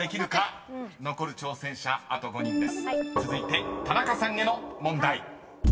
［続いて田中さんへの問題］